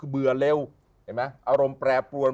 เบื่อเร็วอารมณ์แปรปรวน